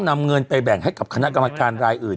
นำเงินไปแบ่งให้กับคณะกรรมการรายอื่น